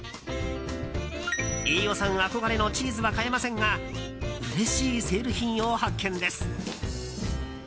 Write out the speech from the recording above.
飯尾さん憧れのチーズは買えませんがうれしいセール品を発見です。